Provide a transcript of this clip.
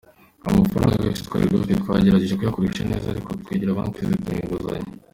Amafaranga yose twari dufite twagerageje kuyakoresha neza ariko twegera banki ziduha inguzanyo.